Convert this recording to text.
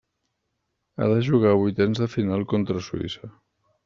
Ha de jugar vuitens de final contra Suïssa.